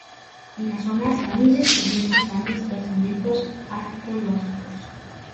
En la zona se han descubiertos grandes yacimientos arqueológicos.